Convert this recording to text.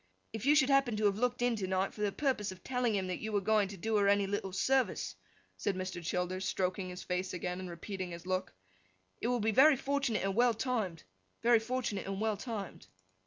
If you should happen to have looked in to night, for the purpose of telling him that you were going to do her any little service,' said Mr. Childers, stroking his face again, and repeating his look, 'it would be very fortunate and well timed; very fortunate and well timed.